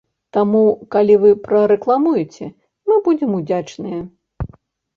Таму калі вы прарэкламуеце, мы будзем удзячныя.